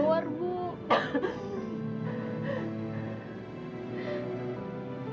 baru berapa lama